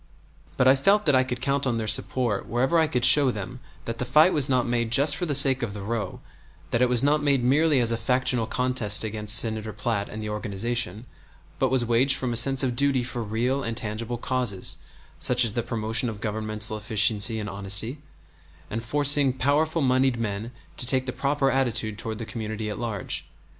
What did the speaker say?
But I felt that I could count on their support wherever I could show them that the fight was not made just for the sake of the row, that it was not made merely as a factional contest against Senator Platt and the organization, but was waged from a sense of duty for real and tangible causes such as the promotion of governmental efficiency and honesty, and forcing powerful moneyed men to take the proper attitude toward the community at large.